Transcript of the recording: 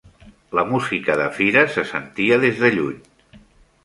La música de fira se sentia des de lluny.